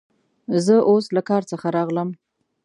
زه اوس له کار څخه راغلم.